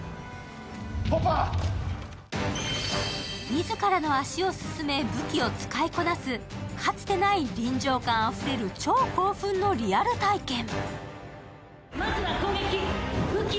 自らの足を進め武器を使いこなすかつてない臨場感あふれる超興奮のリアル体験。